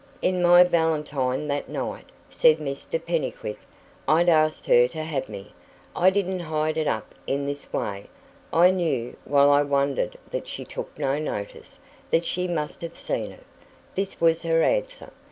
"In my valentine that night," said Mr Pennycuick, "I'd asked her to have me. I didn't hide it up in this way; I knew, while I wondered that she took no notice, that she must have seen it. This was her answer.